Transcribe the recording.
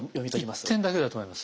一点だけだと思います。